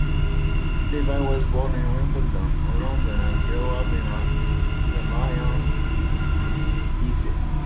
Levey was born in Wimbledon, London, and grew up in Leigh-on-Sea, Essex.